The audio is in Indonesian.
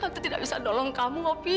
atu tidak bisa tolong kamu opi